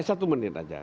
satu menit saja